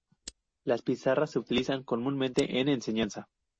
Las pizarras se utilizan comúnmente en enseñanza.